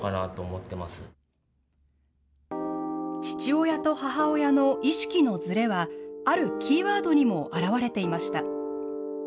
父親と母親の意識のずれは、あるキーワードにも表れていました。